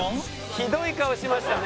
ひどい顔しましたね。